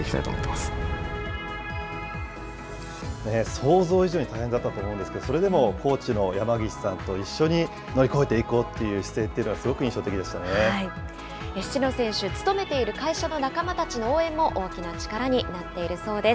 想像以上に大変だったと思うんですけれども、それでもコーチの山岸さんと一緒に乗り越えていこうという姿勢っ七野選手、勤めている会社の仲間たちの応援も大きな力になっているそうです。